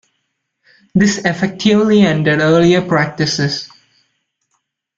This effectively ended earlier practices.